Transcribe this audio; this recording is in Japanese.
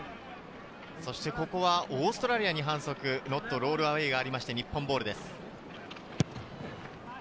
ここはオーストラリアに反則、ノットロールアウェイがありまして日本ボールです。